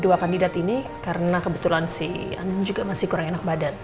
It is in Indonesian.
dua kandidat ini karena kebetulan si anang juga masih kurang enak badan